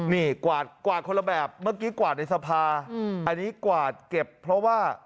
นี่กวาดกวาดคนละแบบเมื่อกี้กวาดในสภาอันนี้กวาดเก็บเพราะว่า